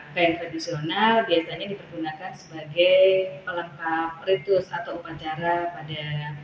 kain tradisional biasanya dipergunakan sebagai pelengkap ritus atau upacara pada